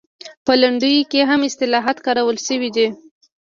په لنډیو کې هم اصطلاحات کارول شوي دي